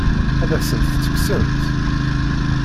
Ad asen-t-tekksemt?